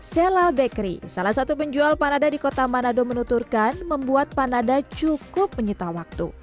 sela bakery salah satu penjual panada di kota manado menuturkan membuat panada cukup menyita waktu